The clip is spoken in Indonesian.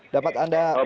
dapat anda mengonfirmasi